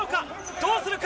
どうするか。